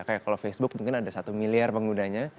kayak kalau facebook mungkin ada satu miliar penggunanya